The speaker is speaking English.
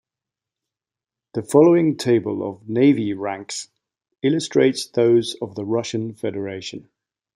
The following table of navy ranks illustrates those of the Russian Federation.